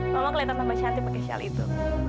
mama keliatan tambah cantik pakai shawl itu